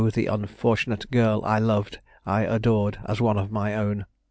the unfortunate girl I loved, I adored as one of my own.